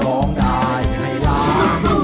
ร้องได้ให้ล้าน